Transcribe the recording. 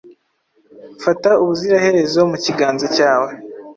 Fata ubuziraherezo mu kiganza cyawe